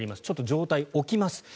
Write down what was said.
ちょっと上体が起きます。